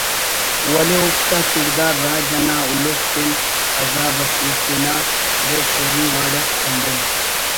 ولے اوفتا کڑدار راج انا الس کن عذاب اسے تینا بوگ شوگی وڑ اٹ ہندن